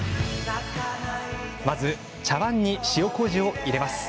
まず茶わんに塩こうじを入れます。